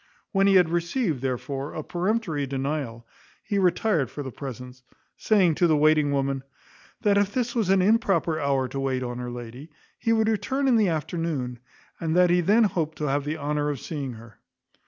When he had received, therefore, a peremptory denial, he retired for the present, saying to the waiting woman, "That if this was an improper hour to wait on her lady, he would return in the afternoon; and that he then hoped to have the honour of seeing her."